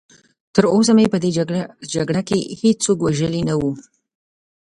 تراوسه مې په دې جګړه کې هېڅوک وژلی نه و.